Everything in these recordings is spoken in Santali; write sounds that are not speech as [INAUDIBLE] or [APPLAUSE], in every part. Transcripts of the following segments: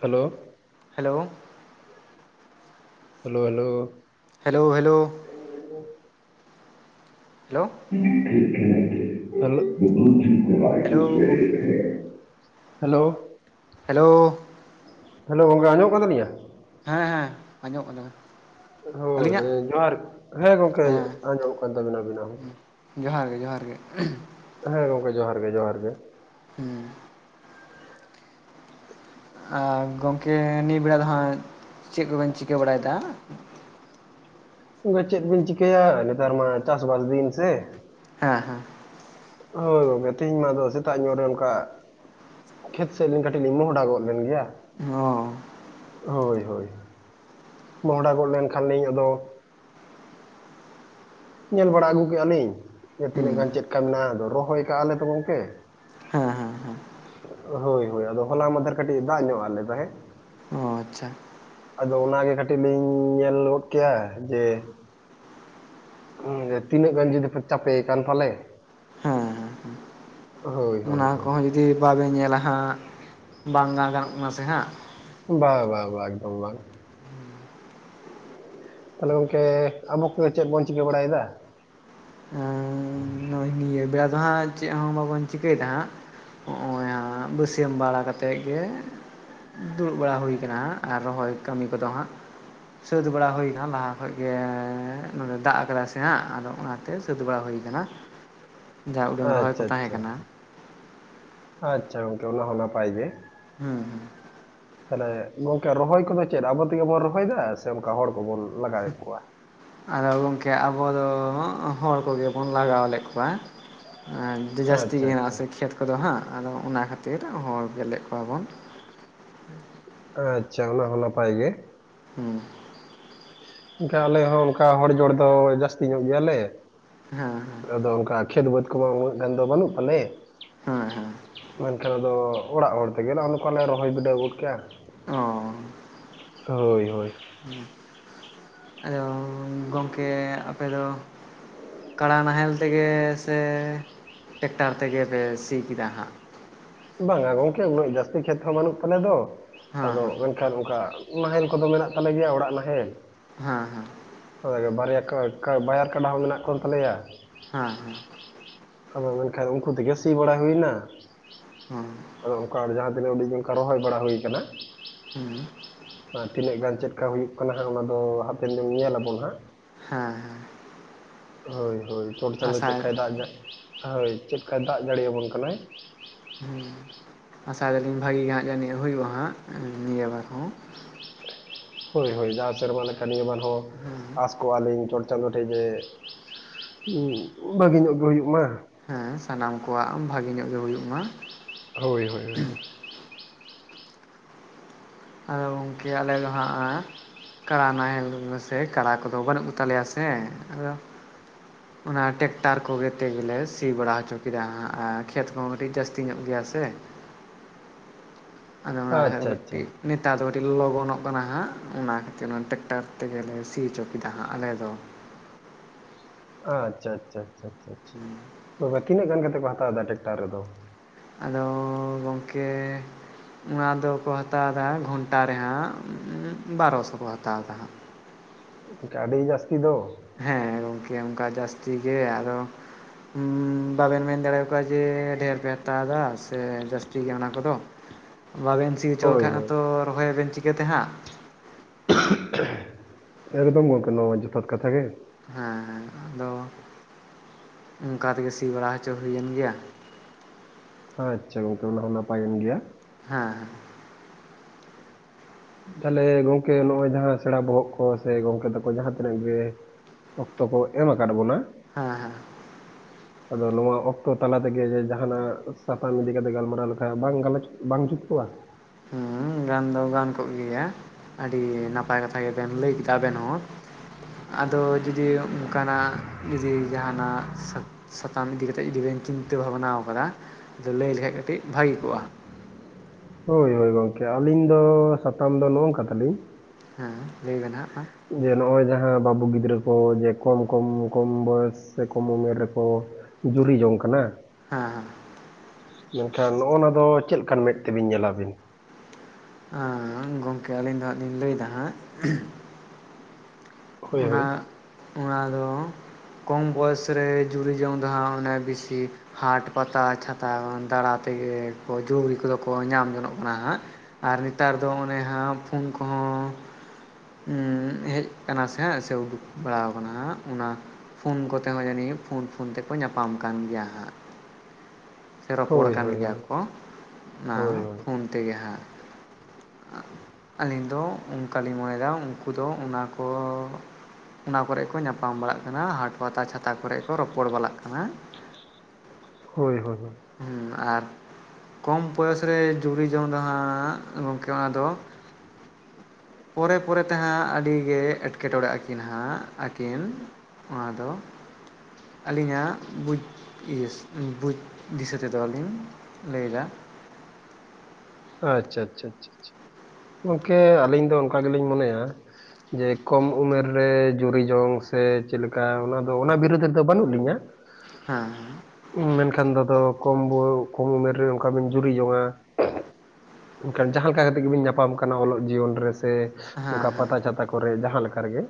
Hello. Hello. Hello hello. Hello hello. Hello. [UNINTELLIGIBLE] Hello hello ᱜᱚᱝ ᱦᱮᱞᱳ ᱾ ᱦᱮᱞᱳᱻ ᱦᱮᱞᱳ ᱜᱚᱝᱠᱮ ᱟᱸᱡᱚᱢᱚᱜ ᱠᱟᱱ ᱛᱟᱹᱞᱤᱧᱟ? ᱦᱮᱸ ᱦᱮᱸ ᱟᱸᱡᱚᱢᱚᱜ ᱠᱟᱱ ᱛᱟᱢᱟ᱾ ᱯᱳᱭᱞᱳ ᱨᱮ ᱡᱚᱦᱟᱨ ᱜᱮᱸ ᱦᱮᱸ ᱜᱚᱝᱠᱮ ᱟᱸᱡᱚᱢᱚᱜ ᱠᱟᱱ ᱛᱟᱵᱤᱱᱟ ᱟᱵᱤᱱᱟᱜ ᱦᱚᱸ ᱦᱮᱸ ᱡᱚᱦᱟᱨ ᱜᱮ ᱡᱚᱦᱟᱨ ᱜᱮ ᱾ ᱦᱮᱸ ᱜᱚᱝᱠᱮ ᱡᱚᱦᱟᱨ ᱜᱮ ᱡᱚᱦᱟᱨ ᱜᱮ ᱾ ᱦᱩᱸᱻ ᱟᱨ ᱜᱚᱝᱠᱮ ᱱᱤᱭᱟᱹ ᱵᱮᱲᱟ ᱫᱚ ᱦᱟᱸᱜ ᱪᱮᱫ ᱠᱚᱵᱮᱱ ᱪᱤᱠᱟᱹ ᱵᱟᱲᱟᱭᱮ ᱫᱟ? ᱱᱤᱛᱚᱜ ᱫᱚ ᱪᱮᱫ ᱵᱤᱱ ᱪᱤᱠᱟᱹᱭᱟ ᱱᱮᱛᱟᱨ ᱢᱟ ᱪᱟᱥᱵᱟᱥ ᱫᱤᱱ ᱥᱮᱸ ᱦᱮᱸ ᱦᱮᱸ ᱾ ᱦᱳᱭ ᱜᱚᱝᱠᱮ ᱛᱮᱦᱮᱧ ᱢᱟ ᱟᱫᱚ ᱥᱮᱛᱟᱜ ᱧᱚᱜ ᱨᱮ ᱚᱱᱠᱟ ᱠᱷᱮᱛ ᱥᱮᱫ ᱞᱤᱧ ᱠᱟᱹᱴᱤᱡ ᱞᱤᱧ ᱢᱚᱦᱚᱸᱰᱟ ᱜᱚᱫ ᱞᱮᱱ ᱜᱮᱭᱟ ᱾ ᱚ ᱦᱳᱭ ᱦᱳᱭ ᱢᱚᱦᱚᱸᱰᱟ ᱜᱚᱫ ᱞᱮᱱ ᱠᱷᱟᱱ ᱞᱤᱧ ᱟᱫᱚ ᱧᱮᱞ ᱵᱟᱲᱟ ᱟᱹᱜᱩ ᱠᱮᱫᱼᱟ ᱞᱤᱧ ᱦᱩᱸ ᱛᱤᱱᱟᱹᱜ ᱜᱟᱱ ᱪᱮᱫ ᱠᱟ ᱢᱮᱱᱟᱜᱼᱟ ᱟᱫᱚ ᱨᱚᱦᱚᱭ ᱠᱟᱜᱼᱟᱞᱮ ᱛᱚ ᱜᱚᱝᱠᱮ᱾ ᱦᱮᱸ ᱦᱮᱸ ᱦᱮᱸ ᱦᱳᱭ ᱦᱳᱭ ᱟᱫᱚ ᱦᱚᱞᱟ ᱢᱟᱱᱫᱷᱮᱨ ᱠᱟᱹᱴᱤᱡ ᱫᱟᱜ ᱧᱚᱜ ᱟᱞᱮ ᱛᱟᱦᱮᱸᱫ ᱾ ᱚ ᱟᱪᱪᱷᱟ ᱟᱫᱚ ᱚᱱᱟᱜᱮ ᱠᱟᱹᱴᱤᱡ ᱞᱤᱧ ᱧᱮᱞ ᱜᱚᱫ ᱠᱮᱭᱟ ᱡᱮ ᱛᱤᱱᱟᱹᱜ ᱜᱟᱱ ᱡᱩᱫᱤ ᱯᱮ ᱪᱟᱯᱮᱠᱟᱱ ᱯᱟᱞᱮ ᱦᱮᱸ ᱦᱮᱸ ᱼ ᱦᱳᱭ ᱾ ᱚᱱᱟ ᱠᱚᱦᱚᱸ ᱡᱩᱫᱤ ᱵᱟᱵᱮᱱ ᱧᱮᱞᱟ ᱦᱟᱸᱜ ᱵᱟᱝ ᱜᱟᱱᱚᱜ ᱠᱟᱱᱟ ᱥᱮ ᱦᱟᱸᱜ? ᱵᱟ ᱵᱟ ᱵᱟ ᱮᱠᱫᱚᱢ ᱵᱟᱝ᱾ ᱛᱟᱦᱚᱞᱮ ᱜᱚᱝᱠᱮ ᱟᱵᱚ ᱠᱚᱜᱮ ᱪᱮᱫ ᱵᱮᱱ ᱪᱤᱠᱟᱹ ᱵᱟᱲᱟᱭᱮᱫᱟ? ᱮᱸ ᱱᱚᱜᱼᱚᱭ ᱱᱤᱭᱟᱹ ᱵᱮᱲᱟ ᱫᱚ ᱦᱟᱸᱜ ᱪᱮᱫ ᱦᱚᱸ ᱵᱟᱵᱚᱱ ᱪᱤᱠᱟᱹᱭ ᱫᱟ ᱦᱟᱸᱜ᱾ ᱱᱚᱜᱼᱚᱭ ᱟᱸᱜ ᱵᱟᱹᱥᱤᱭᱟᱹᱢ ᱵᱟᱲᱟ ᱠᱟᱛᱮᱫ ᱜᱮ ᱫᱩᱲᱩᱵ ᱵᱟᱲᱟ ᱦᱩᱭ ᱠᱟᱱᱟ ᱦᱟᱸᱜ ᱟᱨ ᱨᱚᱦᱚᱭ ᱠᱟᱹᱢᱤ ᱠᱚᱫᱚ ᱦᱟᱸᱜ ᱥᱟᱹᱛ ᱵᱟᱲᱟ ᱦᱩᱭᱱᱟ ᱞᱟᱦᱟ ᱠᱷᱚᱡ ᱜᱮ ᱱᱚᱸᱰᱮ ᱫᱟᱜ ᱠᱟᱫᱟᱭ ᱥᱮ ᱦᱟᱸᱜ ᱟᱫᱚ ᱚᱱᱟ ᱛᱮ ᱥᱟᱹᱛ ᱵᱟᱲᱟ ᱦᱩᱭ ᱠᱟᱱᱟ ᱡᱟ ᱩᱰᱟᱹᱝ ᱨᱚᱦᱚᱭ ᱠᱚ ᱟᱪᱪᱷᱟ ᱛᱟᱦᱮᱸ ᱟᱪᱪᱷᱟ ᱠᱟᱱᱟ ᱟᱪᱪᱷᱟ ᱜᱚᱢᱠᱮ ᱚᱱᱟᱦᱚᱸ ᱱᱟᱯᱟᱭ ᱜᱮ, ᱦᱩᱸ ᱦᱩᱸ ᱛᱟᱦᱚᱞᱮ ᱜᱚᱝᱠᱮ ᱨᱚᱦᱚᱭ ᱠᱚᱫᱚ ᱪᱮᱫ ᱟᱵᱚ ᱛᱮᱜᱮ ᱵᱚᱱ ᱨᱚᱦᱚᱭᱮᱫᱟ ᱥᱮ ᱚᱱᱠᱟ ᱦᱚᱲ ᱠᱚᱵᱚᱱ ᱞᱟᱜᱟᱣᱮᱫ ᱠᱚᱣᱟ, ᱟᱫᱚ ᱜᱚᱢᱠᱮ ᱟᱵᱚ ᱫᱚ ᱦᱚᱲ ᱠᱚᱜᱮ ᱵᱚᱱ ᱞᱟᱜᱟᱣ ᱞᱮᱫ ᱠᱚᱣᱟ ᱡᱟᱹᱥᱛᱤ ᱟᱪᱪᱷᱟ ᱜᱮ ᱦᱮᱱᱟᱜᱼᱟ ᱟᱪᱪᱷᱟ ᱥᱮ ᱠᱷᱮᱛ ᱠᱚᱫᱚ ᱦᱟᱸᱜ ᱟᱫᱚ ᱚᱱᱟ ᱠᱷᱟᱹᱛᱤᱨ ᱦᱚᱲ ᱜᱮᱞᱮᱫ ᱠᱚᱣᱟᱵᱚᱱ ᱟᱪᱪᱷᱟ ᱚᱱᱟ ᱦᱚᱸ ᱱᱟᱯᱟᱭ ᱜᱮ, ᱦᱩᱸ ᱮᱱᱠᱟ ᱟᱞᱮ ᱦᱚᱸ ᱚᱱᱠᱟ ᱦᱚᱲ ᱡᱚᱲ ᱫᱚ ᱡᱟᱹᱥᱛᱤ ᱧᱚᱜ ᱜᱮᱭᱟᱞᱮ ᱦᱮᱸ ᱟᱫᱚ ᱚᱱᱠᱟ ᱠᱷᱮᱛ ᱵᱟᱹᱫᱽ ᱠᱚᱢᱟ ᱩᱱᱟᱹᱜ ᱜᱟᱱ ᱫᱚ ᱵᱟᱹᱱᱩᱜ ᱛᱟᱞᱮ, ᱦᱮᱸ ᱦᱮᱸ ᱦᱮᱸ ᱢᱮᱱᱠᱷᱟᱱ ᱟᱫᱚ ᱚᱲᱟᱜ ᱦᱚᱲ ᱛᱮᱜᱮ ᱞᱮ ᱚᱱᱠᱟ ᱞᱮ ᱨᱚᱦᱚᱭ ᱵᱤᱰᱟᱹᱣ ᱜᱚᱫ ᱠᱮ-ᱟ ᱚ ᱦᱳᱭ ᱦᱳᱭ ᱟᱫᱚ ᱜᱚᱢᱠᱮ ᱟᱯᱮᱫᱚ ᱠᱟᱲᱟ ᱱᱟᱦᱮᱞ ᱛᱮᱜᱮ ᱥᱮ ᱴᱮᱠᱴᱟᱨ ᱛᱮᱜᱮ ᱯᱮ ᱥᱤ ᱠᱮᱫᱟ ᱦᱟᱸᱜ ᱵᱟᱝ-ᱟ ᱜᱚᱢᱠᱮ ᱩᱱᱟᱹᱜ ᱡᱟᱹᱥᱛᱤ ᱠᱷᱮᱛ ᱦᱚᱸ ᱵᱟᱹᱱᱩᱜ ᱛᱟᱞᱮ ᱫᱚ ᱟᱫᱚ ᱦᱮᱸ ᱟᱨ ᱚᱱᱠᱟ ᱱᱟᱦᱮᱞ ᱠᱚᱫᱚ ᱢᱮᱱᱟᱜ ᱛᱟᱞᱮ ᱜᱮᱭᱟ ᱚᱲᱟᱜ ᱱᱟᱦᱮᱞ ᱦᱮᱸ ᱦᱮᱸ ᱦᱳᱭ ᱵᱟᱨᱭᱟ ᱠᱟᱴ ᱠᱟᱴ ᱵᱟᱭᱟᱨ ᱠᱟᱰᱟ ᱦᱚᱸ ᱢᱮᱱᱟᱜ ᱠᱚᱱ ᱛᱟᱞᱮᱭᱟ ᱦᱮᱸ ᱟᱫᱚ ᱢᱮᱱᱠᱷᱟᱱ ᱩᱱᱠᱩ ᱛᱮᱜᱮ ᱥᱤ ᱵᱟᱲᱟ ᱦᱩᱭᱮᱱᱟ, ᱚᱸ ᱟᱫᱚ ᱚᱱᱠᱟ ᱡᱟᱦᱟ ᱛᱤᱱᱟᱹᱜ ᱟᱹᱰᱤᱡ ᱚᱱᱠᱟ ᱨᱚᱦᱚᱭ ᱵᱟᱲᱟ ᱦᱩᱭ ᱟᱠᱟᱱᱟ, ᱦᱩᱸ ᱟᱨ ᱛᱤᱱᱟᱹᱜ ᱜᱟᱱ ᱪᱮᱫᱠᱟ ᱦᱩᱭᱩᱜ ᱠᱟᱱᱟ ᱦᱟᱸᱜ ᱚᱱᱟ ᱫᱚ ᱦᱟᱯᱮᱱ ᱫᱤᱱ ᱧᱮᱞ ᱟᱵᱚᱱ ᱦᱟᱸᱜ, ᱦᱮᱸ ᱦᱮᱸ ᱦᱳᱭ ᱦᱳᱭ ᱪᱚᱴ ᱪᱟᱸᱫᱳ ᱟᱥᱟᱭ ᱪᱮᱫᱠᱟᱭ ᱫᱟᱜ ᱦᱳᱭ ᱪᱮᱫᱠᱟᱭ ᱫᱟᱜ ᱡᱟᱹᱲᱤᱭᱟᱵᱚᱱ ᱠᱟᱱᱟᱭ ᱦᱩᱸ ᱟᱥᱟᱭ ᱫᱟᱞᱤᱧ ᱵᱷᱟᱹᱜᱤ ᱜᱮ ᱦᱟᱸᱜ ᱡᱟᱹᱱᱤᱡ ᱦᱩᱭᱩᱜᱼᱟ ᱦᱟᱸᱜ ᱱᱤᱭᱟᱹ ᱵᱟᱨ ᱦᱚᱸ, ᱦᱳᱭ ᱦᱳᱭ ᱡᱟᱦᱟᱸ ᱥᱮᱨᱢᱟ ᱞᱮᱠᱟ ᱱᱤᱭᱟᱹ ᱵᱟᱨ ᱦᱚᱸ ᱦᱮᱸ ᱟᱸᱥ ᱠᱚᱜ ᱟᱹᱞᱤᱧ ᱪᱚᱴ ᱪᱟᱸᱫᱳ ᱴᱷᱮᱡ ᱡᱮ ᱵᱷᱟᱜᱤ ᱧᱚᱜ ᱜᱮ ᱦᱩᱭᱩᱜ ᱢᱟ ᱦᱮᱸ ᱥᱟᱱᱟᱢ ᱠᱚᱣᱟᱜ ᱵᱷᱟᱜᱤ ᱧᱚᱜ ᱜᱮ ᱦᱩᱭᱩᱜ ᱢᱟ ᱦᱳᱭ ᱦᱳᱭ ᱦᱳᱭ ᱟᱫᱚ ᱜᱚᱢᱠᱮ ᱟᱞᱮ ᱫᱚ ᱦᱟᱸᱜ ᱟᱸᱻ ᱠᱟᱲᱟ ᱱᱟᱦᱮᱞ ᱢᱮᱥᱮ ᱠᱟᱲᱟ ᱠᱚᱫᱚ ᱵᱟᱹᱱᱩᱜ ᱠᱚ ᱛᱟᱞᱮᱭᱟ ᱥᱮ ᱟᱫᱚ ᱚᱱᱟ ᱴᱮᱠᱴᱟᱨ ᱠᱚᱜᱮ ᱛᱮᱜᱮᱞᱮ ᱥᱤ ᱵᱟᱲᱟ ᱦᱚᱪᱚ ᱠᱮᱫᱟ ᱟᱨ ᱠᱷᱮᱛ ᱠᱚᱦᱚᱸ ᱠᱟᱹᱴᱤᱡ ᱡᱟᱹᱥᱛᱤ ᱧᱚᱜ ᱜᱮᱭᱟ ᱥᱮ, ᱟᱞᱮ ᱚᱲᱟᱜ ᱨᱮᱦᱚᱸ ᱟᱪᱪᱷᱟ ᱟᱪᱪᱷᱟ ᱠᱟᱹᱴᱤᱡ ᱱᱮᱛᱟᱨ ᱫᱚ ᱟᱹᱰᱤ ᱞᱚᱜᱚᱱᱚᱜ ᱠᱟᱱᱟ ᱦᱟᱸᱜ ᱚᱱᱟ ᱠᱷᱟᱹᱛᱤᱨ ᱚᱱᱟ ᱴᱮᱠᱴᱟᱨ ᱛᱮᱜᱮ ᱞᱮ ᱥᱤ ᱚᱪᱚ ᱠᱮᱫᱟ ᱦᱟᱸᱜ ᱟᱞᱮ ᱫᱚ ᱟᱪᱪᱷᱟ ᱟᱪᱪᱷᱟ ᱪᱷᱟᱷᱟ ᱟᱪᱪᱷᱟ ᱟᱪᱪᱷᱟ ᱛᱚᱵᱮ ᱛᱤᱱᱟᱹᱜ ᱜᱟᱱ ᱠᱟᱛᱮ ᱠᱚ ᱦᱟᱛᱟᱣ ᱮᱫᱟ ᱴᱟᱠᱴᱟᱨ ᱨᱮᱫᱚ- ᱟᱫᱚ ᱜᱚᱢᱠᱮ ᱚᱱᱟ ᱫᱚᱠᱚ ᱦᱟᱛᱟᱣᱫᱟ ᱜᱷᱚᱱᱴᱟ ᱨᱮ ᱦᱟᱸᱜ ᱵᱟᱨᱚ ᱥᱚ ᱠᱚ ᱦᱟᱛᱟᱣᱫᱟ ᱦᱟᱸᱜ ᱜᱚᱢᱠᱮ ᱟᱹᱰᱤ ᱡᱟᱥᱛᱤ ᱫᱚ ᱦᱮᱸ ᱜᱚᱢᱠᱮ ᱚᱱᱠᱟ ᱡᱟᱹᱥᱛᱤ ᱜᱮ ᱟᱫᱚ ᱦᱩᱸ ᱵᱟᱵᱮᱱ ᱢᱮᱱ ᱫᱟᱲᱮᱣᱟᱠᱚᱣᱟ ᱡᱮ ᱰᱷᱮᱨ ᱯᱮ ᱦᱟᱛᱟᱣᱫᱟ ᱥᱮ ᱡᱟᱹᱥᱛᱤ ᱜᱮ ᱚᱱᱟ ᱠᱚᱫᱚ ᱵᱟᱵᱤᱱ ᱥᱤ ᱦᱚᱪᱚ ᱦᱳᱭ ᱞᱮᱠᱷᱟᱡ ᱦᱳᱭ ᱦᱚᱸᱛᱚ ᱨᱚᱦᱚᱭᱟᱵᱤᱱ ᱪᱤᱠᱟᱹ ᱛᱮ ᱦᱟᱸᱜ [INAUDIBLE] ᱮᱠᱫᱚᱢ ᱜᱚᱢᱠᱮ ᱱᱚᱣᱟ ᱢᱟ ᱡᱚᱛᱷᱟᱛᱚ ᱠᱟᱛᱷᱟ ᱜᱮ, ᱦᱮᱸᱦᱮᱸ ᱟᱫᱚ ᱚᱱᱠᱟ ᱛᱮᱜᱮ ᱥᱤ ᱵᱟᱲᱟ ᱦᱚᱪᱚ ᱦᱩᱭᱮᱱ ᱜᱮᱭᱟ ᱟᱪᱪᱷᱟ ᱜᱚᱢᱠᱮ ᱚᱱᱟ ᱚᱱᱟᱦᱚᱸ ᱱᱟᱯᱟᱭᱮᱱ ᱜᱮᱭᱟ ᱦᱮᱸ ᱛᱟᱦᱚᱞᱮ ᱜᱚᱢᱠᱮ ᱱᱚᱜᱼᱚᱭ ᱡᱟᱦᱟᱸ ᱥᱮᱬᱟ ᱵᱚᱦᱚᱜ ᱠᱚ ᱥᱮ ᱜᱚᱢᱠᱮ ᱛᱟᱠᱚ ᱡᱟᱦᱟᱸ ᱛᱤᱱᱟᱹᱜ ᱜᱮ ᱚᱠᱛᱚ ᱠᱚ ᱮᱢ ᱟᱠᱟᱫ ᱵᱚᱱᱟ ᱦᱮᱸ ᱦᱮᱸ ᱟᱫᱚ ᱱᱚᱣᱟ ᱚᱠᱛᱚ ᱛᱟᱞᱟ ᱛᱮᱜᱮ ᱡᱮ ᱡᱟᱦᱟᱸᱱᱟᱜ ᱥᱟᱛᱟᱢ ᱤᱫᱤ ᱠᱟᱛᱮ ᱜᱟᱞᱢᱟᱨᱟᱣ ᱞᱮᱠᱷᱟᱡ ᱵᱟᱝ ᱜᱚᱞᱚᱪ ᱵᱟᱝ ᱡᱩᱛ ᱠᱚᱣᱟ᱾ ᱦᱩᱸ ᱜᱟᱱ ᱫᱚ ᱜᱟᱱ ᱠᱚᱜ ᱜᱮᱭᱟ ᱟᱹᱰᱤ ᱱᱟᱯᱟᱭ ᱠᱟᱛᱷᱟ ᱜᱮᱵᱮᱱ ᱞᱟᱹᱭ ᱠᱮᱫᱟ ᱟᱵᱮᱱ ᱦᱚᱸ ᱟᱫᱚ ᱡᱩᱫᱤ ᱚᱱᱠᱟᱱᱟᱜ ᱡᱩᱫᱤ ᱡᱟᱦᱟᱸᱱᱟᱜ ᱥᱟ ᱥᱟᱛᱟᱢ ᱤᱫᱤ ᱠᱟᱛᱮᱫ ᱡᱩᱫᱤ ᱵᱮᱱ ᱪᱤᱱᱛᱟᱹ ᱵᱷᱟᱵᱚᱱᱟ ᱟᱠᱟᱫᱟ ᱟᱫᱚ ᱞᱟᱹᱭ ᱞᱮᱠᱷᱟᱡ ᱠᱟᱹᱴᱤᱡ ᱵᱷᱟᱹᱜᱤ ᱠᱚᱜᱼᱟ᱾ ᱦᱳᱭ ᱦᱳᱭ ᱜᱚᱢᱠᱮ ᱟᱹᱞᱤᱧ ᱫᱚ ᱥᱟᱛᱟᱢ ᱫᱚ ᱱᱚᱜᱝᱠᱟ ᱛᱟᱞᱤᱧ᱾ ᱦᱮᱸ ᱞᱟᱹᱭ ᱵᱮᱱ ᱦᱟᱸᱜ ᱢᱟ᱾ ᱡᱮ ᱱᱚᱜᱼᱚᱭ ᱡᱟᱦᱟᱸ ᱵᱟᱹᱵᱩ ᱜᱤᱫᱽᱨᱟᱹ ᱠᱚ ᱡᱮ ᱠᱚᱢ ᱠᱚᱢ ᱠᱚᱢ ᱵᱚᱭᱮᱥ ᱥᱮ ᱠᱚᱢ ᱩᱢᱮᱨ ᱨᱮᱠᱚ ᱡᱩᱨᱤ ᱡᱚᱝ ᱠᱟᱱᱟ᱾ ᱦᱮᱸ ᱦᱮᱸ ᱢᱮᱱᱠᱷᱟᱱ ᱱᱚᱜᱼᱚᱸᱱᱟᱭᱟ ᱫᱚ ᱪᱮᱫ ᱞᱮᱠᱟᱱ ᱢᱮᱫ ᱛᱮᱵᱤᱱ ᱧᱮᱞᱟᱵᱤᱱ ᱟᱸ ᱜᱚᱢᱠᱮ ᱟᱹᱞᱤᱧ ᱫᱚ ᱦᱟᱸᱜ ᱞᱤᱧ ᱞᱟᱹᱭᱫᱟ ᱦᱟᱸᱜ᱾ ᱦᱳᱭ ᱚᱱᱟ ᱦᱳᱭ ᱚᱱᱟ ᱫᱚ ᱠᱚᱢ ᱵᱚᱭᱚᱥ ᱨᱮ ᱡᱩᱨᱤ ᱡᱚᱝ ᱫᱚ ᱦᱟᱸᱜ ᱚᱱᱮ ᱵᱤᱥᱤ ᱦᱟᱴ ᱯᱟᱛᱟ ᱪᱷᱟᱛᱟ ᱫᱟᱬᱟ ᱛᱮᱜᱮ ᱡᱩᱲᱤ ᱠᱚᱫᱚ ᱠᱚ ᱧᱟᱢ ᱡᱚᱱᱚᱜ ᱠᱟᱱᱟ ᱦᱟᱸᱜ᱾ ᱟᱨ ᱱᱮᱛᱟᱨ ᱫᱚ ᱚᱱᱮ ᱦᱟᱸᱜ ᱯᱷᱩᱱ ᱠᱚᱦᱚᱸ ᱦᱮᱡ ᱟᱠᱟᱱᱟ ᱥᱮ ᱦᱮᱸ ᱥᱮ ᱩᱰᱩᱠ ᱵᱟᱲᱟ ᱟᱠᱟᱱᱟ ᱚᱱᱟ ᱯᱷᱳᱱ ᱠᱚᱛᱮ ᱦᱚᱸ ᱡᱟᱹᱱᱤᱡ ᱯᱷᱳᱱ ᱯᱷᱳᱱ ᱛᱮᱠᱚ ᱧᱟᱯᱟᱢ ᱠᱟᱱ ᱜᱮᱭᱟ ᱦᱟᱸᱜ᱾ ᱥᱮ ᱨᱚᱯᱚᱲ ᱦᱳᱭ ᱠᱟᱱ ᱦᱳᱭ ᱜᱮᱭᱟ ᱦᱳᱭ ᱠᱚ ᱚᱱᱟ ᱦᱳᱭ ᱯᱷᱳᱱ ᱛᱮᱜᱮ ᱦᱟᱸᱜ᱾ ᱟᱹᱞᱤᱧ ᱫᱚ ᱚᱱᱠᱟᱞᱤᱧ ᱢᱚᱱᱮᱭᱮᱫᱟ ᱩᱱᱠᱩ ᱫᱚ ᱚᱱᱟ ᱠᱚ ᱚᱱᱟ ᱠᱚᱨᱮ ᱠᱚ ᱧᱟᱯᱟᱢ ᱵᱟᱲᱟᱜ ᱠᱟᱱᱟ ᱦᱟᱴ ᱯᱟᱛᱟ ᱪᱷᱟᱛᱟ ᱠᱚᱨᱮ ᱠᱚ ᱨᱚᱯᱚᱲ ᱵᱟᱲᱟᱜ ᱠᱟᱱᱟ᱾ ᱦᱳᱭ ᱦᱳᱭ ᱦᱮᱸ ᱟᱨ ᱠᱚᱢ ᱵᱚᱭᱚᱥ ᱨᱮ ᱡᱩᱨᱤ ᱡᱚᱝ ᱦᱟᱸᱜ ᱜᱚᱢᱠᱮ ᱚᱱᱟ ᱫᱚ ᱯᱚᱨᱮ ᱯᱚᱨᱮ ᱛᱮᱦᱟᱸᱜ ᱟᱹᱰᱤᱜᱮ ᱮᱸᱴᱠᱮᱴᱚᱬᱮ ᱟᱹᱠᱤᱱ ᱦᱟᱸᱜ ᱟᱹᱠᱤᱱ ᱚᱱᱟᱫᱚ ᱟᱹᱞᱤᱧᱟᱜ ᱵᱩᱡᱽ ᱵᱩᱡᱽ ᱫᱤᱥᱟᱹ ᱛᱮᱫᱚ ᱞᱤᱧ ᱞᱟᱹᱭ ᱮᱫᱟ᱾ ᱟᱪᱪᱷᱟ ᱟᱪᱪᱷᱟ ᱜᱚᱝᱠᱮ ᱟᱹᱞᱤᱧ ᱫᱚ ᱚᱱᱠᱟ ᱜᱮᱞᱤᱧ ᱢᱚᱱᱮᱭᱟ᱾ ᱡᱮ ᱠᱚᱢ ᱩᱢᱮᱨ ᱨᱮ ᱡᱩᱨᱤ ᱡᱚᱝ ᱥᱮ ᱪᱮᱫᱮᱠᱟ ᱚᱱᱟ ᱫᱚ ᱚᱱᱟ ᱵᱤᱨᱩᱫᱽ ᱨᱮᱫᱚ ᱵᱟᱹᱱᱩᱜ ᱞᱤᱧᱟᱹ᱾ ᱦᱮᱸ ᱢᱮᱱᱠᱷᱟᱱ ᱫᱟᱫᱚ ᱠᱚᱢ ᱠᱚᱢ ᱩᱢᱮᱨ ᱨᱮ ᱚᱱᱠᱟ ᱵᱤᱱ ᱡᱩᱨᱤ ᱡᱚᱝᱟ᱾ ᱢᱮᱱᱠᱷᱟᱱ ᱡᱟᱦᱟᱸ ᱞᱮᱠᱟ ᱠᱟᱛᱮᱜ ᱜᱮᱵᱤᱱ ᱧᱟᱯᱟᱢ ᱠᱟᱱᱟ ᱚᱞᱚᱜ ᱡᱤᱭᱚᱱ ᱨᱮᱥ ᱚᱱᱠᱟ ᱦᱮᱸ ᱯᱟᱛᱟ ᱪᱷᱟᱛᱟ ᱠᱚᱨᱮ ᱡᱟᱦᱟᱸ ᱞᱮᱠᱟ ᱨᱮᱜᱮ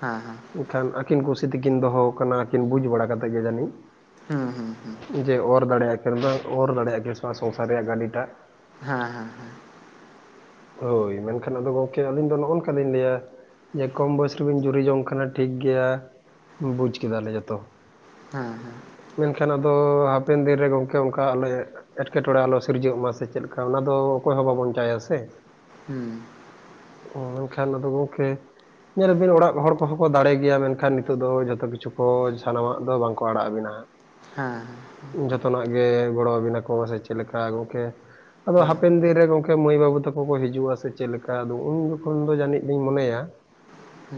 ᱦᱮᱸ ᱦᱮᱸ ᱮᱱᱠᱷᱟᱱ ᱟᱹᱠᱤᱱ ᱠᱩᱥᱤ ᱛᱮᱠᱤᱱ ᱫᱚᱦᱚ ᱟᱠᱟᱱᱟ ᱟᱹᱠᱤᱱ ᱵᱩᱡᱽ ᱵᱟᱲᱟ ᱠᱟᱛᱮᱫ ᱜᱮ ᱡᱟᱹᱱᱤᱡ ᱦᱩᱸ ᱦᱩᱸ ᱦᱩᱸ ᱡᱮ ᱚᱨ ᱫᱟᱲᱮᱜ ᱟᱠᱤᱱ ᱚᱨ ᱫᱟᱲᱮᱜ ᱟᱠᱤᱱ ᱥᱮᱵᱟᱝ ᱥᱚᱝ ᱥᱟᱨ ᱨᱮᱭᱟᱜ ᱜᱟᱹᱰᱤ ᱴᱟᱜ ᱦᱮᱸ ᱦᱮᱸ ᱦᱮᱸ ᱦᱳᱭ ᱢᱮᱱᱠᱷᱟᱱ ᱟᱫᱚ ᱜᱚᱢᱠᱮ ᱟᱹᱞᱤᱧ ᱫᱚ ᱱᱚᱜᱼᱚ ᱱᱚᱝᱠᱟ ᱞᱤᱧ ᱞᱟᱹᱭᱟ᱾ ᱡᱮ ᱠᱚᱢ ᱵᱚᱭᱚᱥ ᱨᱮᱵᱤᱱ ᱡᱩᱨᱤ ᱡᱚᱝ ᱠᱟᱱᱟ ᱴᱷᱤᱠ ᱜᱮᱭᱟ ᱵᱩᱡᱽ ᱠᱮᱫᱟᱞᱮ ᱡᱚᱛᱚ ᱦᱮᱸ ᱢᱮᱱᱠᱷᱟᱱ ᱟᱫᱚ ᱦᱟᱯᱮᱱ ᱫᱤᱱ ᱨᱮ ᱜᱚᱝᱠᱮ ᱚᱱᱠᱟ ᱟᱞᱚ ᱮᱸᱴᱠᱮᱴᱚᱬᱮ ᱟᱞᱚ ᱥᱤᱨᱡᱟᱹᱜ ᱢᱟ ᱥᱮ ᱪᱮᱫ ᱞᱮᱠᱟ ᱚᱱᱟ ᱫᱚ ᱚᱠᱚᱭ ᱦᱚᱸ ᱵᱟᱵᱚᱱ ᱪᱟᱭᱟ ᱥᱮ ᱦᱮᱸ ᱚ ᱢᱮᱱᱠᱷᱟᱱ ᱟᱫᱚ ᱜᱚᱢᱠᱮ ᱧᱮᱞ ᱵᱤᱱ ᱚᱲᱟᱜ ᱦᱚᱲ ᱠᱚᱦᱚᱸ ᱠᱚ ᱫᱟᱲᱮ ᱜᱮᱭᱟ ᱢᱮᱱᱠᱷᱟᱱ ᱱᱤᱛᱚᱜ ᱫᱚ ᱡᱚᱛᱚ ᱠᱤᱪᱷᱩ ᱠᱚ ᱥᱟᱱᱟᱢᱟᱜ ᱫᱚ ᱵᱟᱝᱠᱚ ᱟᱲᱟᱜ ᱟᱵᱤᱱᱟ ᱦᱟᱸᱜ᱾ ᱦᱮᱸ ᱦᱮᱸ ᱡᱚᱛᱚᱱᱟᱜ ᱜᱮ ᱜᱚᱲᱚᱣᱟᱵᱤᱱᱟᱠᱚ ᱥᱮ ᱪᱮᱫ ᱞᱮᱠᱟ ᱜᱚᱢᱠᱮ ᱟᱫᱚ ᱦᱮᱸ ᱦᱟᱯᱮᱱ ᱫᱤᱱ ᱨᱮ ᱜᱚᱢᱠᱮ ᱢᱟᱹᱭ ᱵᱟᱹᱵᱩ ᱛᱟᱠᱚ ᱠᱚ ᱦᱤᱡᱩᱜᱼᱟ ᱥᱮ ᱪᱮᱫ ᱞᱮᱠᱟ ᱟᱫᱚ ᱩᱱ ᱡᱚᱠᱷᱚᱱ ᱫᱚ ᱡᱟᱹᱱᱤᱡ ᱫᱩᱧ ᱢᱚᱱᱮᱭᱟ᱾ [UNINTELLIGIBLE]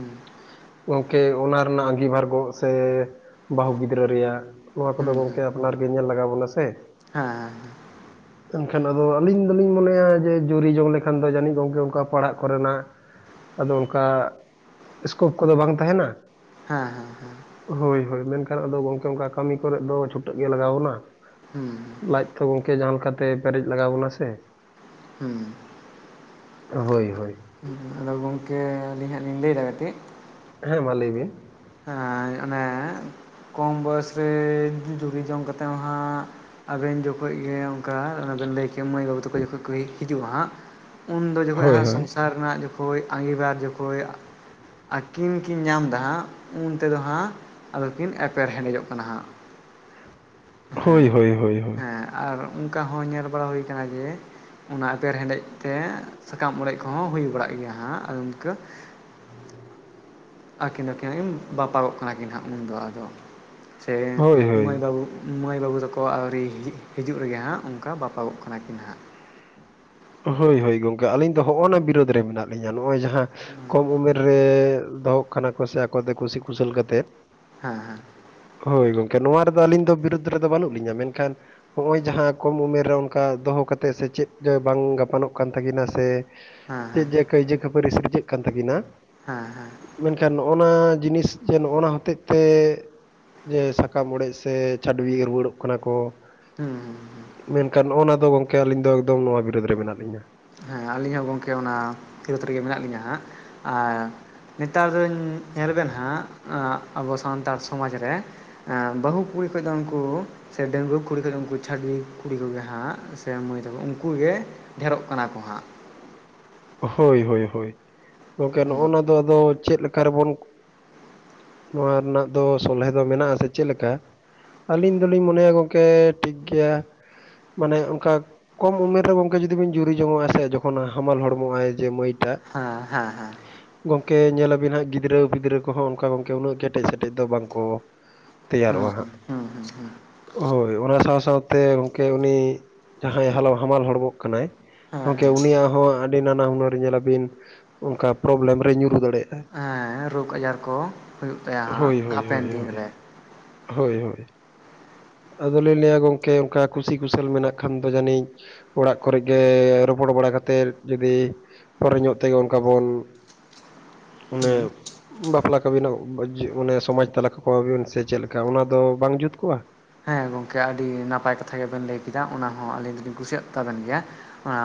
ᱜᱚᱢᱠᱮ ᱚᱱᱟ ᱨᱮᱱᱟᱜ ᱟᱸᱜᱤᱵᱷᱟᱨ ᱜᱚᱜ ᱥᱮ ᱵᱟᱹᱦᱩ ᱜᱤᱫᱽᱨᱟᱹ ᱨᱮᱭᱟᱜ ᱱᱚᱣᱟ ᱠᱚᱫᱚ ᱦᱩᱸ ᱦᱩᱸ ᱜᱚᱝᱠᱮ ᱟᱯᱱᱟᱨᱜᱮ ᱧᱮᱞ ᱞᱟᱜᱟᱣ ᱵᱚᱱᱟ ᱥᱮ ᱦᱮᱸ ᱮᱱᱠᱷᱟᱱ ᱟᱫᱚ ᱟᱹᱞᱤᱧ ᱫᱚᱞᱤᱧ ᱢᱚᱱᱮᱭᱟ ᱡᱮ ᱡᱩᱨᱤ ᱡᱚᱝ ᱞᱮᱠᱷᱟᱱ ᱫᱚ ᱡᱟᱹᱱᱤᱡ ᱜᱚᱢᱠᱮ ᱚᱱᱠᱟ ᱯᱟᱲᱦᱟᱜ ᱠᱚᱨᱮᱱᱟᱜ ᱟᱫᱚ ᱚᱱᱠᱟ ᱮᱠᱳᱯ ᱠᱚᱫᱚ ᱵᱟᱝ ᱛᱟᱦᱮᱱᱟ ᱦᱮᱸ ᱦᱮᱸ ᱦᱮᱸ ᱦᱳᱭ ᱦᱳᱭ ᱢᱮᱱᱠᱷᱟᱱ ᱟᱫᱚ ᱜᱚᱝᱠᱮ ᱚᱱᱠᱟ ᱠᱟᱹᱢᱤ ᱠᱚᱨᱮᱮᱫ ᱫᱚ ᱪᱷᱩᱴᱟᱹᱜ ᱜᱮ ᱞᱟᱜᱟᱣᱵᱚᱱᱟ᱾ ᱦᱩᱸ ᱞᱟᱡ ᱛᱚ ᱜᱚᱝᱠᱮ ᱡᱟᱦᱟᱸ ᱞᱮᱠᱟᱛᱮ ᱯᱮᱨᱮᱡ ᱞᱟᱜᱟᱣ ᱵᱚᱱᱟ ᱥᱮ ᱦᱩᱸ ᱦᱳᱭ ᱦᱳᱭ ᱦᱩ ᱟᱫᱚ ᱜᱚᱝᱠᱮ ᱟᱹᱞᱤᱧ ᱦᱟᱸᱜ ᱞᱤᱧ ᱞᱟᱹᱭᱮᱫᱟ ᱠᱟᱹᱴᱤᱡ ᱦᱮᱸ ᱢᱟ ᱞᱟᱹᱭ ᱵᱤᱱ ᱮᱸ ᱚᱱᱮ ᱠᱚᱢ ᱵᱚᱭᱚᱥ ᱨᱮ [UNINTELLIGIBLE] ᱡᱩᱨᱤ ᱡᱚᱝ ᱠᱟᱛᱮᱫ ᱦᱟᱸᱜ ᱟᱵᱮᱱ ᱡᱚᱠᱷᱚᱡ ᱜᱮ ᱚᱱᱠᱟ ᱚᱱᱟ ᱵᱮᱱ ᱞᱟᱹᱭ ᱠᱮ ᱢᱟᱹᱭ ᱵᱟᱹᱵᱩ ᱛᱟᱠᱚ ᱡᱚᱠᱷᱚᱱ ᱠᱚ ᱦᱤᱡᱩᱜᱼᱟ ᱦᱟᱸᱜ᱾ ᱩᱱᱫᱚ ᱦᱳᱭ ᱡᱚᱠᱷᱚᱱ ᱦᱳᱭ ᱥᱚᱝᱥᱟᱨ ᱨᱮᱱᱟᱜ ᱡᱚᱠᱷᱚᱡ ᱟᱸᱜᱤᱵᱟᱨ ᱡᱚᱠᱷᱚᱡ ᱟᱹᱠᱤᱱ ᱠᱤᱱ ᱧᱟᱢᱫᱟ ᱦᱟᱸᱜ ᱩᱱ ᱛᱮᱫᱚ ᱦᱟᱸᱜ ᱟᱫᱚᱠᱤᱱ ᱮᱯᱮᱨ ᱦᱮᱸᱰᱮᱡᱚᱜ ᱠᱟᱱᱟ ᱦᱟᱸᱜ᱾ ᱦᱮᱸ ᱦᱳᱭ ᱦᱳᱭ ᱦᱳᱭ ᱦᱮᱸ ᱟᱨ ᱚᱱᱠᱟ ᱦᱚᱸ ᱧᱮᱞ ᱵᱟᱲᱟ ᱦᱩᱭ ᱟᱠᱟᱱᱟ ᱡᱮ ᱚᱱᱟ ᱮᱯᱮᱨ ᱦᱮᱸᱰᱮᱡ ᱛᱮ ᱥᱟᱠᱟᱢ ᱚᱲᱮᱡ ᱠᱚᱦᱚᱸ ᱦᱩᱭ ᱵᱟᱲᱟᱜ ᱜᱮᱭᱟ ᱦᱟᱸᱜ ᱟᱫᱚ ᱤᱱᱠᱟᱹ ᱟᱹᱠᱤᱱ ᱫᱚᱠᱤᱱ ᱠᱤᱱ ᱵᱟᱯᱟᱜᱚᱜ ᱠᱟᱱᱟ ᱠᱤᱱ ᱦᱟᱸᱜ ᱩᱱᱫᱚ ᱟᱫᱚ ᱥᱮ ᱦᱳᱭ ᱢᱟᱹᱭ ᱦᱳᱭ ᱵᱟᱹᱵᱩ ᱢᱟᱹᱭ ᱵᱟᱹᱵᱩ ᱛᱟᱠᱚ ᱟᱹᱣᱨᱤ ᱦᱤᱡᱩᱜ ᱨᱮᱜᱮ ᱦᱟᱸᱜ ᱚᱱᱠᱟ ᱵᱟᱯᱟᱜᱚᱜ ᱠᱟᱱᱟ ᱠᱤᱱ ᱦᱟᱸᱜ᱾ ᱦᱳᱭ ᱦᱳᱭ ᱜᱚᱝᱠᱮ ᱟᱹᱞᱤᱧ ᱫᱚ ᱦᱚᱜᱼᱚᱭ ᱱᱟ ᱵᱤᱨᱳᱫᱽ ᱨᱮ ᱢᱮᱱᱟᱜ ᱞᱤᱧᱟ ᱱᱚᱜᱼᱚᱭ ᱡᱟᱦᱟᱸ ᱠᱚᱢ ᱩᱢᱮᱨ ᱨᱮ ᱫᱚᱦᱚ ᱠᱟᱱᱟ ᱠᱚ ᱥᱮ ᱟᱠᱚ ᱫᱚ ᱠᱩᱥᱤ ᱠᱩᱥᱟᱹᱞ ᱠᱟᱛᱮᱫ ᱦᱮᱸ ᱦᱮᱸ ᱦᱳᱭ ᱜᱚᱝᱠᱮ ᱱᱚᱣᱟ ᱨᱮᱫᱚ ᱟᱹᱞᱤᱧ ᱫᱚ ᱵᱤᱨᱩᱫᱷ ᱨᱮᱫᱚ ᱵᱟᱹᱱᱩᱜ ᱞᱤᱧᱟᱹ ᱢᱮᱱᱠᱷᱟᱱ ᱦᱚᱜᱼᱚᱭ ᱡᱟᱦᱟᱸ ᱠᱚᱢ ᱩᱢᱮᱨ ᱨᱮ ᱚᱱᱠᱟ ᱫᱚᱦᱚ ᱠᱟᱛᱮ ᱥᱮ ᱪᱮᱫ [UNINTELLIGIBLE] ᱵᱟᱝ ᱜᱟᱯᱟᱱᱚᱜ ᱠᱟᱱ ᱛᱟᱹᱠᱤᱱᱟ ᱥᱮ ᱪᱮᱫ ᱦᱮᱸ ᱡᱮ ᱠᱟᱹᱭᱡᱟᱹ ᱠᱷᱟᱹᱯᱟᱹᱨᱤ ᱥᱤᱨᱡᱟᱹᱜ ᱠᱟᱱ ᱛᱟᱹᱠᱤᱱᱟ᱾ ᱦᱮᱸ ᱦᱮᱸ ᱢᱮᱱᱠᱷᱟᱱ ᱱᱚᱜᱼᱱᱟ ᱡᱤᱱᱤᱥ ᱡᱮ ᱱᱚᱜᱼᱱᱟ ᱦᱚᱛᱮᱫ ᱛᱮ ᱡᱮ ᱥᱟᱠᱟᱢ ᱚᱲᱮᱡ ᱥᱮ ᱪᱷᱟᱹᱰᱩᱣᱤ ᱨᱩᱣᱟᱹᱲᱚᱜ ᱠᱟᱱᱟ ᱠᱚ ᱦᱩᱸ ᱦᱩᱸ ᱦᱩᱸ ᱢᱮᱱᱠᱷᱟᱱ ᱱᱚᱜᱼᱚ ᱱᱚᱣᱟ ᱫᱚ ᱜᱚᱝᱠᱮ ᱟᱹᱞᱤᱧ ᱫᱚ ᱮᱠᱫᱚᱢ ᱱᱚᱣᱟ ᱵᱤᱨᱩᱫᱽ ᱨᱮ ᱢᱮᱱᱟᱜ ᱞᱤᱧᱟᱹ᱾ ᱸ ᱟᱹᱞᱤᱧ ᱦᱚᱸ ᱜᱚᱢᱠᱮ ᱚᱱᱟ ᱠᱷᱤᱨᱳᱚᱛ ᱨᱮᱜᱮ ᱢᱮᱱᱟᱜ ᱞᱤᱧᱟᱹ ᱦᱟᱸᱜ ᱟᱨ ᱱᱮᱛᱟᱨ ᱫᱚᱧ ᱧᱮᱞ ᱵᱮᱱ ᱦᱟᱸᱜ ᱟᱵᱚ ᱥᱟᱱᱛᱟᱲ ᱥᱚᱢᱟᱡᱽ ᱨᱮ ᱵᱟᱹᱦᱩ ᱠᱩᱲᱤ ᱠᱷᱚᱡ ᱫᱚ ᱩᱱᱠᱩ ᱥᱮ ᱰᱮᱝᱜᱩᱣᱟ ᱠᱩᱲᱤ ᱠᱷᱚᱡ ᱩᱱᱠᱩ ᱪᱷᱟᱹᱰᱣᱤ ᱠᱩᱲᱤ ᱠᱚᱜᱮ ᱦᱟᱸᱜ ᱥᱮ ᱢᱟᱹᱭ ᱛᱟᱠᱚ ᱩᱱᱠᱩ ᱜᱮ ᱰᱷᱮᱨᱚᱜ ᱠᱟᱱᱟ ᱠᱚ ᱦᱟᱸᱜ᱾ ᱦᱳᱭ ᱦᱳᱭ ᱦᱳᱭ ᱜᱚᱢᱠᱮ ᱱᱚᱜᱼᱚᱱᱟ ᱫᱚ ᱟᱫᱚ ᱪᱮᱫ ᱞᱮᱠᱟ ᱨᱮᱵᱚᱱ ᱱᱚᱣᱟ ᱨᱮᱱᱟᱜ ᱫᱚ ᱥᱚᱞᱦᱮ ᱫᱚ ᱢᱮᱱᱟᱜᱥᱮ ᱪᱮᱫ ᱞᱮᱠᱟ ᱟᱹᱞᱤᱧ ᱫᱚᱞᱤᱧ ᱢᱚᱱᱮᱭᱟ ᱜᱚᱢᱠᱮ ᱴᱷᱤᱠ ᱜᱮᱭᱟ᱾ ᱢᱟᱱᱮ ᱚᱱᱠᱟ ᱠᱚᱢ ᱩᱢᱮᱨ ᱨᱮ ᱜᱚᱝᱠᱮ ᱡᱩᱫᱤ ᱵᱤᱱ ᱡᱩᱨᱤ ᱡᱚᱝᱚᱜᱼᱟ ᱥᱮ ᱡᱚᱠᱷᱚᱱ ᱦᱟᱢᱟᱞ ᱦᱚᱲ ᱢᱚ ᱟᱭ ᱡᱮ ᱢᱟᱹᱭᱴᱟ ᱦᱮᱸ ᱦᱮᱸ ᱦᱮᱸ ᱜᱚᱢᱠᱮ ᱧᱮᱞ ᱟᱹᱵᱤᱱ ᱦᱟᱸᱜ ᱜᱤᱫᱽᱨᱟᱹ ᱯᱤᱫᱽᱨᱟᱹ ᱠᱚᱦᱚᱸ ᱚᱱᱠᱟ ᱜᱚᱢᱠᱮ ᱩᱱᱟᱹᱜ ᱠᱮᱴᱮᱡ ᱥᱮᱴᱮᱡ ᱫᱚ ᱵᱟᱝᱠᱚ ᱛᱮᱭᱟᱨᱚᱜᱼᱟ ᱦᱮᱸ ᱦᱟᱸᱜ᱾ [UNINTELLIGIBLE] ᱦᱳᱭ ᱚᱱᱟ ᱥᱟᱶ ᱥᱟᱶᱛᱮ ᱜᱚᱢᱠᱮ ᱩᱱᱤ ᱡᱟᱦᱟᱸᱭ ᱦᱟᱞᱚ ᱦᱟᱢᱟᱞ ᱦᱚᱲᱢᱚᱜ ᱠᱟᱱᱟᱭ᱾ ᱦᱮᱸ ᱦᱮᱸ ᱜᱚᱢᱠᱮ ᱦᱮᱸ ᱩᱱᱤᱭᱟᱜ ᱦᱚᱸ ᱟᱹᱰᱤ ᱱᱟᱱᱟ ᱦᱩᱱᱟᱹᱨ ᱧᱮᱞ ᱟᱵᱤᱱ ᱚᱱᱠᱟ ᱯᱨᱚᱵᱞᱮᱢ ᱨᱮ ᱧᱩᱨᱩ ᱫᱟᱲᱮᱭᱟᱜᱼᱟᱭ᱾ ᱦᱮᱸ ᱨᱳᱜᱽ ᱟᱡᱟᱨ ᱠᱚ ᱦᱩᱭᱩᱜ ᱛᱟᱭᱟ ᱦᱟᱸᱜ ᱦᱳᱭ ᱦᱳᱭ ᱦᱟᱯᱮᱱ ᱦᱳᱭ ᱫᱤᱱ ᱦᱳᱭ ᱨᱮ ᱦᱳᱭ ᱦᱳᱭ ᱟᱫᱚᱞᱮ ᱞᱟᱹᱭᱟ ᱜᱚᱝᱠᱮ ᱚᱱᱠᱟ ᱠᱩᱥᱤ ᱠᱩᱥᱟᱹᱞ ᱢᱮᱱᱟᱜ ᱠᱷᱟᱱ ᱫᱚ ᱡᱟᱹᱱᱤᱡ ᱚᱲᱟᱜ ᱠᱚᱨᱮ ᱜᱮ ᱨᱚᱯᱚᱲ ᱵᱟᱲᱟ ᱠᱟᱛᱮᱫ ᱡᱩᱫᱤ ᱯᱚᱨᱮ ᱧᱚᱜ ᱛᱮᱜᱮ ᱚᱱᱠᱟ ᱵᱚᱱ ᱚᱱᱮ ᱦᱮᱸ ᱵᱟᱯᱞᱟ ᱠᱚᱵᱱᱟ ᱟᱱᱮ ᱥᱚᱢᱟᱡᱽ ᱛᱟᱞᱟ ᱠᱟᱠᱚᱣᱟᱵᱤᱱ ᱥᱮ ᱪᱮᱫ ᱞᱮᱠᱟ ᱚᱱᱟ ᱫᱚ ᱵᱟᱝ ᱡᱩᱛ ᱠᱚᱜᱼᱟ᱾ ᱦᱮᱸ ᱜᱚᱢᱠᱮ ᱟᱹᱰᱤ ᱱᱟᱯᱟᱭ ᱠᱟᱛᱷᱟ ᱜᱮᱵᱮᱱ ᱞᱟᱹᱭ ᱠᱮᱫᱟ ᱚᱱᱟ ᱦᱚᱸ ᱟᱹᱞᱤᱧ ᱫᱚᱞᱤᱧ ᱠᱩᱥᱤᱭᱟᱜ ᱛᱟᱵᱮᱱ ᱜᱮᱭᱟ ᱚᱱᱟ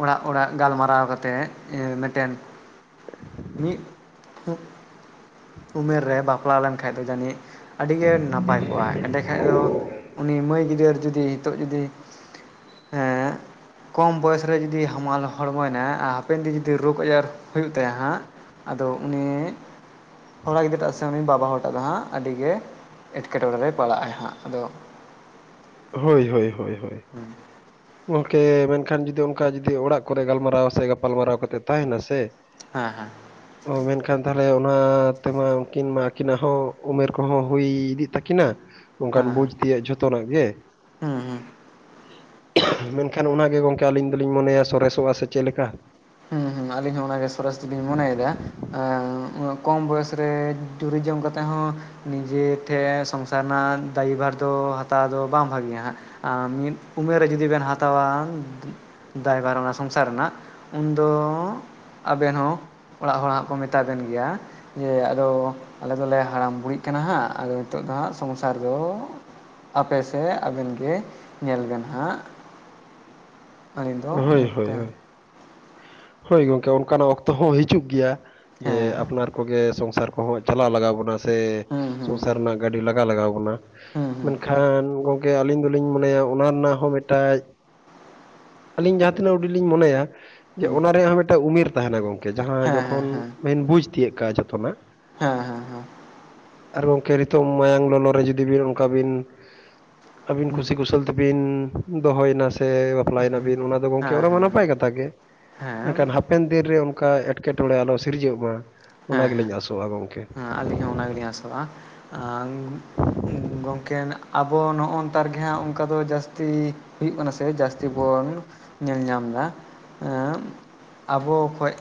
ᱚᱲᱟᱜ ᱚᱲᱟᱜ ᱜᱟᱞᱢᱟᱨᱟᱣ ᱠᱟᱛᱮᱫ ᱢᱤᱫᱴᱮᱱ ᱢᱤᱫ ᱩᱢᱮᱨ ᱨᱮ ᱵᱟᱯᱞᱟ ᱞᱮᱱᱠᱷᱟᱡ ᱫᱚ ᱡᱟᱹᱱᱤᱡ ᱟᱹᱰᱤ ᱜᱮ ᱱᱟᱯᱟᱭ ᱠᱚᱜᱼᱟ ᱮᱸᱰᱮ ᱠᱷᱟᱱ ᱫᱚ ᱩᱱᱤ ᱢᱟᱹᱭ ᱜᱤᱫᱽ ᱫᱟᱹᱨ ᱡᱩᱫᱤ ᱱᱤᱛᱚᱜ ᱡᱩᱫᱤ ᱮᱸ ᱠᱚᱢ ᱵᱚᱭᱚᱥ ᱨᱮ ᱡᱩᱫᱤ ᱦᱟᱢᱟᱞ ᱦᱚᱲᱢᱚᱭᱮᱱᱟ ᱟᱨ ᱦᱟᱯᱮᱱ ᱫᱤᱱ ᱡᱩᱫᱤ ᱨᱳᱜᱽ ᱟᱡᱟᱨ ᱦᱩᱭᱩᱜ ᱛᱟᱭᱟ ᱦᱟᱸᱜ᱾ ᱟᱫᱚ ᱩᱱᱤ ᱠᱚᱲᱟ ᱜᱤᱫᱽᱨᱟᱹ ᱴᱟᱜ ᱥᱮ ᱩᱱᱤ ᱵᱟᱵᱟ ᱦᱚᱲ ᱴᱟᱜ ᱫᱚ ᱦᱟᱸᱜ ᱟᱹᱰᱤᱜᱮ ᱮᱸᱴᱠᱮᱴᱚᱬᱮ ᱨᱮᱭ ᱯᱟᱲᱟᱜ ᱟᱭ ᱦᱟᱸᱜ ᱟᱫᱚ ᱦᱳᱭ ᱦᱳᱭ ᱦᱳᱭ ᱦᱳᱭ [INAUDIBLE] ᱜᱚᱢᱠᱮ ᱢᱮᱱᱠᱷᱟᱱ ᱡᱩᱫᱤ ᱚᱱᱠᱟ ᱡᱩᱫᱤ ᱚᱲᱟᱜ ᱠᱚᱨᱮ ᱜᱟᱞᱢᱟᱨᱟᱣ ᱥᱮ ᱜᱟᱯᱟᱞᱢᱟᱨᱟᱣ ᱠᱟᱛᱮᱫ ᱛᱟᱦᱮᱱᱟ ᱥᱮ ᱦᱮᱸ ᱦᱮᱸ ᱚ ᱢᱮᱱᱠᱷᱟᱱ ᱛᱟᱦᱚᱞᱮ ᱚᱱᱟ ᱛᱮᱢᱟ ᱩᱱᱠᱤᱱ ᱢᱟ ᱟᱹᱠᱤᱱᱟᱜ ᱦᱚᱸ ᱩᱢᱮᱨ ᱠᱚᱦᱚᱸ ᱦᱩᱭ ᱤᱫᱤᱜ ᱛᱟᱹᱠ ᱠᱤᱱᱟ ᱚᱱᱠᱟᱱ ᱵᱩᱡᱽ ᱛᱮᱭᱟᱜ ᱡᱷᱚᱛᱚᱱᱟᱜ ᱜᱮ ᱦᱮᱸ ᱦᱮᱸ ᱢᱮᱱᱠᱷᱟᱱ ᱚᱱᱟᱜᱮ ᱜᱚᱝᱠᱮ ᱟᱹᱞᱤᱧ ᱫᱚᱞᱤᱧ ᱢᱚᱱᱮᱭᱟ ᱥᱚᱨᱮᱥᱚᱜᱼᱟ ᱥᱮ ᱪᱮᱫ ᱞᱮᱠᱟ ᱦᱩᱸ ᱦᱩᱸ ᱟᱹᱞᱤᱧ ᱦᱚᱸ ᱚᱱᱟᱜᱮ ᱥᱚᱨᱚᱥ ᱫᱚᱞᱤᱧ ᱢᱚᱱᱮᱭᱮᱫᱟ᱾ ᱩᱜ ᱠᱚᱢ ᱵᱚᱭᱮᱥ ᱨᱮ ᱴᱩᱨᱤᱡᱚᱢ ᱠᱟᱛᱮᱫ ᱦᱚᱸ ᱱᱤᱡᱮ ᱴᱷᱮᱱ ᱥᱚᱝᱥᱟᱨ ᱨᱮᱱᱟᱜ ᱫᱟᱹᱭᱤᱵᱷᱟᱨ ᱫᱚ ᱦᱟᱛᱟᱣ ᱫᱚ ᱵᱟᱝ ᱵᱷᱟᱹᱜᱤᱭᱟ ᱦᱟᱸᱜ᱾ ᱟᱨ ᱢᱤᱫ ᱩᱢᱮᱨ ᱨᱮ ᱡᱩᱫᱤ ᱵᱮᱱ ᱦᱟᱛᱟᱣᱟ ᱫᱟᱭᱵᱷᱟᱨ ᱨᱮᱱᱟᱜ ᱥᱚᱝᱥᱟᱨ ᱨᱮᱱᱟᱜ ᱩᱱᱫᱚ ᱟᱵᱮᱱ ᱦᱚᱸ ᱚᱲᱟᱜ ᱦᱚᱲ ᱦᱟᱸᱜ ᱠᱚ ᱢᱮᱛᱟᱵᱮᱱ ᱜᱮᱭᱟ᱾ ᱡᱮ ᱟᱫᱚ ᱟᱞᱮ ᱫᱚᱞᱮ ᱦᱟᱲᱟᱢᱼ ᱵᱩᱲᱦᱤᱜ ᱠᱟᱱᱟ ᱦᱟᱸᱜ ᱟᱫᱚ ᱱᱤᱛᱚᱜ ᱫᱚ ᱦᱟᱸᱜ ᱥᱚᱝᱥᱟᱨ ᱫᱚ ᱦᱟᱯᱮ ᱥᱮ ᱟᱵᱮᱱ ᱜᱮ ᱧᱮᱞ ᱵᱮᱱ ᱦᱟᱸᱜ᱾ ᱟᱹᱞᱤᱧ ᱫᱚ ᱦᱳᱭ ᱦᱳᱭ ᱚᱱᱠᱟ ᱦᱳᱭ ᱜᱚᱢᱠᱮ ᱚᱱᱠᱟᱱᱟᱜ ᱚᱠᱛᱚ ᱦᱚᱸ ᱦᱤᱡᱩᱜ ᱜᱮᱭᱟ᱾ ᱡᱮ ᱦᱮᱸ ᱦᱮᱸ ᱟᱯᱱᱟᱨ ᱠᱚᱜᱮ ᱥᱚᱝᱥᱟᱨ ᱠᱚ ᱠᱚᱦᱚᱸ ᱪᱟᱞᱟᱣ ᱞᱟᱜᱟᱣ ᱵᱚᱱᱟ ᱥᱮ ᱦᱩᱸ ᱦᱩᱸ ᱥᱚᱝᱥᱟᱨ ᱨᱮᱱᱟᱜ ᱜᱟᱹᱰᱤ ᱞᱟᱜᱟᱣ ᱞᱟᱜᱟᱣ ᱵᱚᱱᱟ᱾ ᱦᱩᱸ ᱦᱩᱸ ᱦᱩᱸ ᱢᱮᱱᱠᱷᱟᱱ ᱜᱚᱢᱠᱮ ᱟᱹᱞᱤᱧ ᱫᱚᱞᱤᱧ ᱢᱚᱱᱮᱭᱟ ᱚᱱᱟ ᱨᱮᱱᱟᱜ ᱦᱚᱸ ᱢᱤᱫᱴᱮᱡ ᱟᱹᱞᱤᱧ ᱡᱟᱦᱟᱸ ᱛᱤᱱᱟᱹᱜ ᱦᱩᱰᱤᱡ ᱞᱤᱧ ᱢᱚᱱᱮᱭᱟ᱾ ᱡᱮ ᱦᱩᱸ ᱚᱱᱟ ᱨᱮᱭᱟᱜ ᱦᱚᱸ ᱢᱤᱫᱴᱟᱝ ᱩᱢᱮᱨ ᱛᱟᱦᱮᱱᱟ ᱜᱚᱢᱠᱮ ᱡᱟᱦᱟᱸ ᱦᱮᱸ ᱦᱮᱸ ᱡᱚᱠᱷᱚᱱ ᱦᱮᱸ ᱢᱮᱱ ᱵᱩᱡᱽ ᱛᱤᱭᱳᱜ ᱠᱟᱜᱼᱟ ᱡᱚᱛᱚᱱᱟᱜ ᱦᱮᱸ ᱦᱮᱸ ᱦᱩᱸ ᱟᱨ ᱜᱚᱢᱠᱮ ᱱᱤᱛᱩᱝ ᱢᱟᱭᱟᱝ ᱞᱚᱞᱚ ᱨᱮ ᱡᱩᱫᱤ ᱵᱤᱱ ᱚᱱᱠᱟ ᱵᱤᱱ ᱟᱹᱵᱤᱱ ᱠᱩᱥᱤ ᱠᱩᱥᱟᱹᱞ ᱛᱮᱵᱤᱱ ᱫᱚᱦᱚᱭᱮᱱᱟ ᱥᱮ ᱦᱮᱸ ᱵᱟᱯᱞᱟᱭᱱᱟᱵᱤᱱ ᱚᱱᱟ ᱫᱚ ᱜᱚᱝᱠᱮ ᱦᱮᱸ ᱚᱱᱟᱢᱟ ᱱᱟᱯᱟᱭ ᱠᱟᱛᱷᱟ ᱜᱮ ᱦᱮᱸ ᱦᱮᱸ ᱢᱮᱱᱠᱷᱟᱱ ᱦᱟᱯᱮᱱ ᱫᱤᱱᱨᱮ ᱚᱱᱠᱟ ᱮᱸᱴᱠᱮᱴᱚᱬᱮ ᱟᱞᱚ ᱥᱤᱨᱡᱟᱹᱜ ᱢᱟ᱾ ᱚᱱᱟ ᱜᱮᱞᱤᱧ ᱟᱥᱚᱜᱼᱟ ᱜᱚᱝᱠᱮ ᱚᱱᱟᱜᱮ ᱞᱤᱧ ᱟᱫᱚᱜ ᱟ ᱟᱨ ᱜᱚᱝᱠᱮ ᱟᱵᱚ ᱱᱚᱜᱼᱚ ᱱᱚᱛᱟᱨ ᱜᱮ ᱦᱟᱸᱜ ᱚᱱᱠᱟ ᱫᱚ ᱡᱟᱹᱥᱛᱤ ᱦᱩᱭᱩᱜ ᱠᱟᱱᱟ ᱥᱮ ᱡᱟᱹᱥᱛᱤ ᱵᱚᱱ ᱧᱮᱞ ᱧᱟᱢ ᱮᱫᱟ ᱮᱜ ᱟᱵᱚ ᱠᱷᱚᱡ